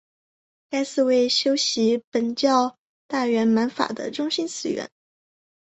该寺为修习苯教大圆满法的中心寺院。